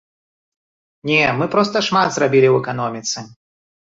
Не, мы проста шмат зрабілі ў эканоміцы.